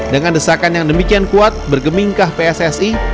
dengan desakan yang demikian kuat bergemingka pssi